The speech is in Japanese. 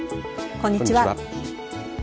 こんにちは。